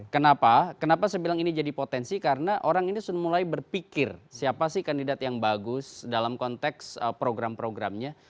kenapa kenapa saya bilang ini jadi potensi karena orang ini sudah mulai berpikir siapa sih kandidat yang bagus dalam konteks program programnya